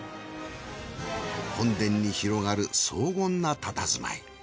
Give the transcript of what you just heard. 本殿に広がる荘厳なたたずまい。